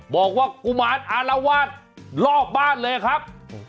บอกว่ากุมารอ่านละวาดล่อบบ้านเลยครับ